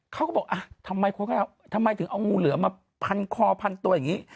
เขาก็บอกทำไมถึงเอางูเหลือมมาพันคอพันตัวอย่างนี้